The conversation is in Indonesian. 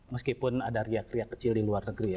meskipun ada riak riak kecil di luar negeri ya